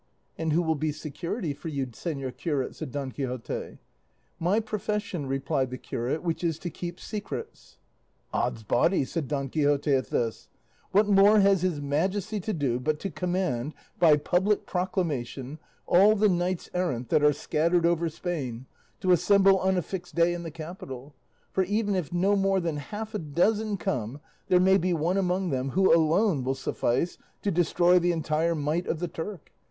"And who will be security for you, señor curate?" said Don Quixote. "My profession," replied the curate, "which is to keep secrets." "Ods body!" said Don Quixote at this, "what more has his Majesty to do but to command, by public proclamation, all the knights errant that are scattered over Spain to assemble on a fixed day in the capital, for even if no more than half a dozen come, there may be one among them who alone will suffice to destroy the entire might of the Turk.